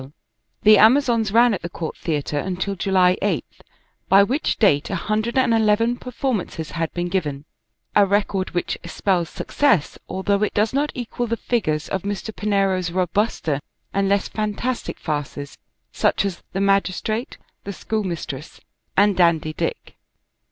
5 The Amazons " ran at the Court Theatre until July 8th, by which date a hundred and eleven performances had been given, a record which spells success, although it does not equal the figures of Mr. Pinero's robuster and less fantastic farces, such as "The Magistrate," "The Schoolmistress," and '* Dandy Dick."